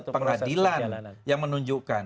pengadilan yang menunjukkan